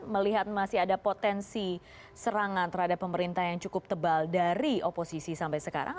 melihat masih ada potensi serangan terhadap pemerintah yang cukup tebal dari oposisi sampai sekarang